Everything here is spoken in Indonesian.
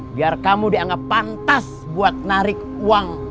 biar kamu dianggap pantas buat narik uang